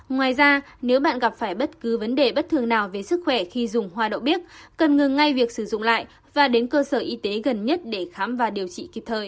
ngoài ra nếu bạn gặp phải bất cứ vấn đề bất thường nào về sức khỏe khi dùng hoa đậu bích cần ngừng ngay việc sử dụng lại và đến cơ sở y tế gần nhất để khám và điều trị kịp thời